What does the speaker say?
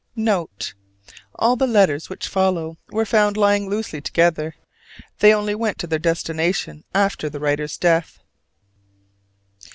Note. All the letters which follow were found lying loosely together. They only went to their destination after the writer's death.